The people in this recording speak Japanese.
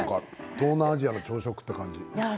東南アジアの朝食っていう感じ。